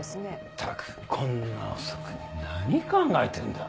ったくこんな遅くに何考えてんだ。